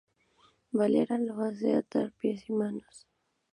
Varela lo hace atar de pies y manos.